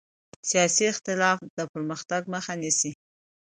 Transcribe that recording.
سیاسي اختلاف د پرمختګ مخه نه نیسي